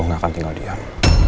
enggak tinggal diam